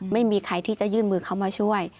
ไม่มีใครที่จะยื่นมือเข้ามาช่วย